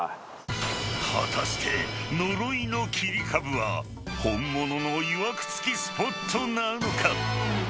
［果たして呪いの切り株は本物のいわくつきスポットなのか？］